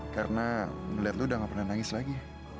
karena ngeliat lu udah gak pernah nangis lagi